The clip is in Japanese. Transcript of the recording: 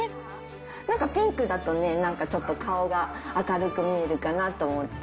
なんかピンクだとね、なんかちょっと、顔が明るく見えるかなと思って。